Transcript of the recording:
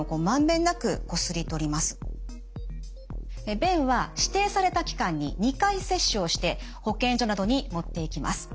便は指定された期間に２回採取をして保健所などに持っていきます。